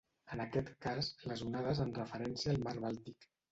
En aquest cas les onades en referència al mar Bàltic.